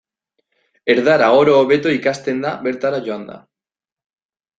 Erdara oro hobeto ikasten da bertara joanda.